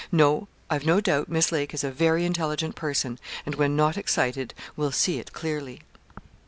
No; I've no doubt Miss Lake is a very intelligent person, and, when not excited, will see it clearly.'